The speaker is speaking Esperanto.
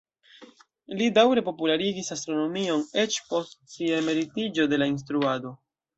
Li daŭre popularigis astronomion eĉ post sia emeritiĝo de la instruado.